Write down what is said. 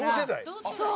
そう。